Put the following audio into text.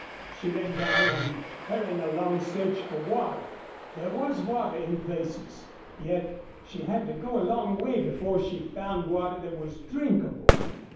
She ran down and, hurrying along, searched for water. There was water in places, yet she had to go a long way before she found water that was drinkable.